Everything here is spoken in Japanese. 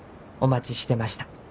お待ちしてました。